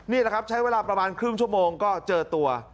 นี่แหละครับใช้เวลาประมาณครึ่งชั่วโมงก็เจอตัว